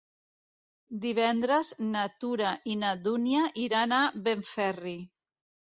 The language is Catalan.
Divendres na Tura i na Dúnia iran a Benferri.